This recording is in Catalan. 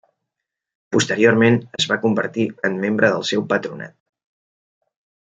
Posteriorment es va convertir en membre del seu patronat.